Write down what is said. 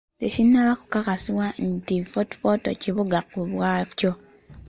Tekinnaba ku kakasibwa nti fort portal kibuga ku bwaakyo .